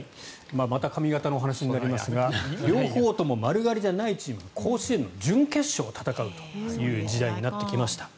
また髪形のお話になりますが両方とも丸刈りじゃないチームが甲子園の準決勝を戦う時代になってきました。